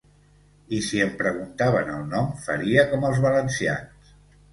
I si em preguntaven el nom faria com els valencians.